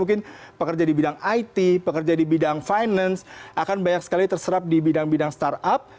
unit usahanya itu bisa turun